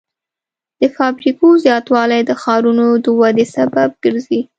د فابریکو زیاتوالی د ښارونو د ودې سبب ګرځي.